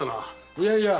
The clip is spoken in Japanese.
いやいや。